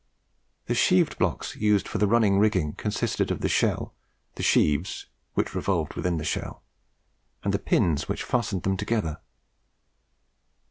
The sheaved blocks used for the running rigging consisted of the shell, the sheaves, which revolved within the shell, and the pins which fastened them together.